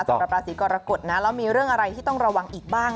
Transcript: สำหรับราศีกรกฎนะแล้วมีเรื่องอะไรที่ต้องระวังอีกบ้าง